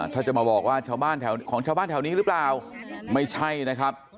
ถ้าจะมาบอกว่าชาวบ้านแถวของชาวบ้านแถวนี้หรือเปล่าไม่ใช่นะครับ